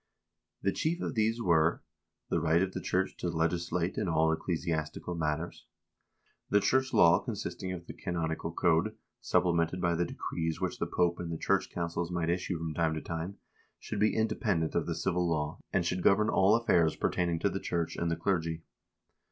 The chief of these were: The right of the church to legislate in all ecclesiastical matters. The church law con sisting of the canonical code, supplemented by the decrees which the Pope and the church councils might issue from time to time, should be independent of the civil law, and should govern all affairs pertain ing to the church and the clergy.